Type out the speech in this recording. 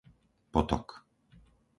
Potok